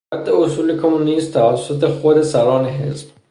رد اصول کمونیسم توسط خود سران حزب